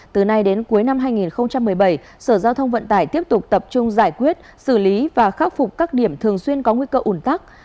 từ nay đến cuối năm hai nghìn một mươi bảy sở giao thông vận tải tiếp tục tập trung giải quyết xử lý và khắc phục các điểm thường xuyên có nguy cơ ủn tắc